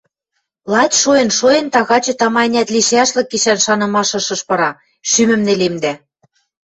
Лач шоэн-шоэн тагачы тама-ӓнят лишӓшлык гишӓн шанымаш ышыш пыра, шӱмӹм нелемдӓ.